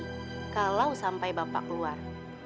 kalau sampai bapak keluar